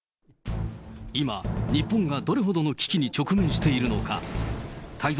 今、日本がどれほどの危機に直面しているのか。